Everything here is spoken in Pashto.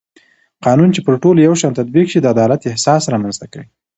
قانون چې پر ټولو یو شان تطبیق شي د عدالت احساس رامنځته کوي